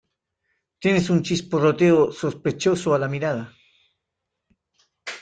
Tienes un chisporroteo sospechoso a la mirada.